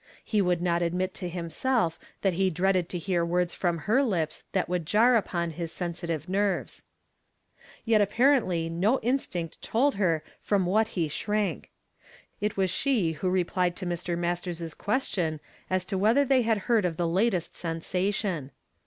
He would not admit to himself that he dreaded to hear words from her lips that would jar upon his sensitive nerves. Yet apparently no instinct told her from what he shrank. It was she who replied to Mr. Mas ters's question as to whether they had heard of the latest sensation.